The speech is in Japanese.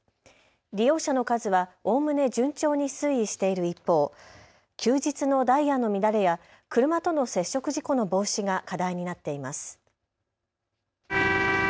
利用者の数はおおむね順調に推移している一方、休日のダイヤの乱れや車との接触事故の防止が課題になっています。